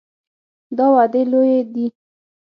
دا وعدې لویې دي.